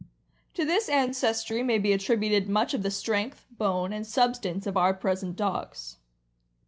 To this ancestry may be attributed much of the strength, bone, and substance of our present dogs.